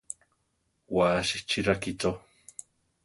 Wasi chi rakícho.